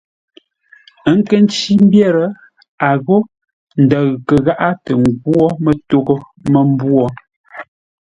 Ə́ kə̂ ncí mbyér, a ghô ndəʉ kə gháʼá tə ngwó mətoghʼə́ mə́mbwô!